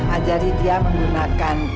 ajari dia menggunakan